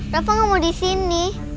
rafa gak mau di sini